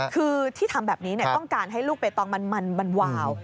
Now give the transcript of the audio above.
คือที่ทำแบบนี้ต้องการให้ลูกใบตองมันวาว